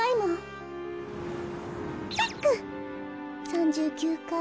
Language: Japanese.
３９かい。